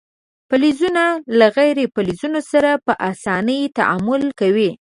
فلزونه له غیر فلزونو سره په اسانۍ تعامل کوي.